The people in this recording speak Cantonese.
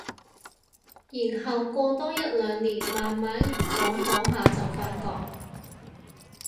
然後過多一兩年慢慢講講下就發覺